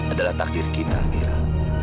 adalah takdir kita amira